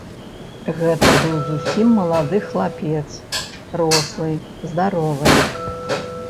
Гэта быў зусім малады хлапец, рослы, здаровы.